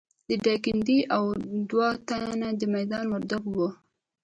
د ډایکنډي او دوه تنه د میدان وردګو وو.